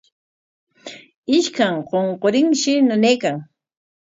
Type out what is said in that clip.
Ishkan qunqurinshi nanaykan.